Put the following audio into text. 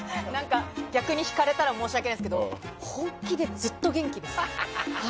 逆に引かれたら申し訳ないですけど本気でずっと元気です。